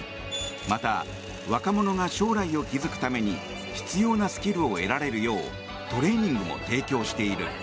また、若者が将来を築くために必要なスキルを得られるようトレーニングも提供している。